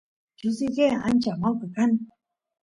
chusiyke ancha mawka kan